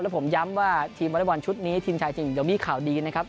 แล้วผมย้ำว่าทีมวอลลี่บอลชุดนี้ทีมชายสิ่งจะมีข่าวดีนะครับ